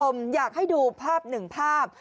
คุณผู้ชมอยากให้ดูภาพหนึ่งภาพ